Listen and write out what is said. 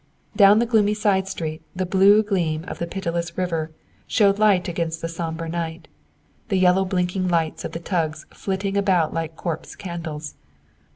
Down the gloomy side street the blue gleam of the pitiless river showed light against the somber night, the yellow blinking lights of the tugs flitting about like corpse candles.